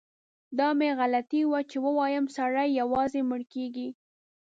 دا مې غلطي وه چي ووایم سړی یوازې مړ کیږي.